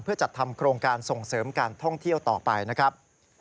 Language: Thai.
เพื่อจัดทำโครงการส่งเสริมการท่องเที่ยวต่อไปนะครับ